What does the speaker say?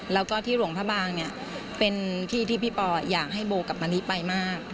แล้วก็ที่หลวงพระบางเนี่ยเป็นที่ที่พี่ปออยากให้โบกับมะลิไปมาก